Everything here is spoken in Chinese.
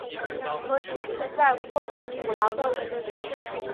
湖区存在过度捕捞的问题。